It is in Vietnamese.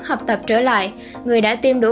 học tập trở lại người đã tiêm đủ